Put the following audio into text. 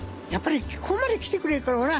やっぱりここまで来てくれるから。